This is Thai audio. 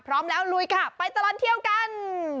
พร้อมแล้วลุยค่ะไปตลอดเที่ยวกัน